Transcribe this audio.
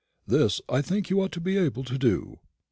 This I think you ought to be able to do."